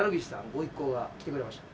ご一行が来てくれました。